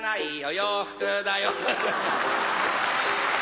洋服だよ